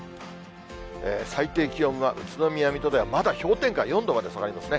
最低気温は宇都宮、水戸では、まだ氷点下４度まで下がりますね。